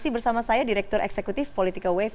bersama saya direktur eksekutif politika wave